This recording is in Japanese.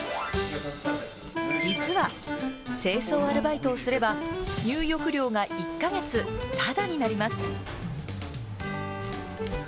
実は清掃アルバイトをすれば入浴料が１か月ただになります。